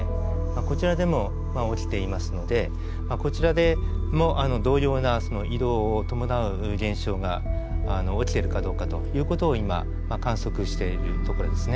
こちらでも起きていますのでこちらでも同様な移動を伴う現象が起きてるかどうかという事を今観測しているとこですね。